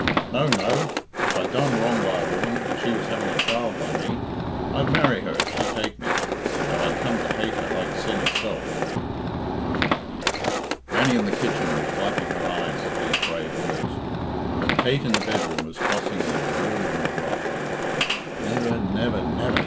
"No, no! If I'd done wrong by a woman, and she was having a child by me, I'd marry her if she'd take me, though I'd come to hate her like sin itself." Grannie in the kitchen was wiping her eyes at these brave words, but Kate in the bedroom was tossing in a delirium of wrath. "Never, never, never!"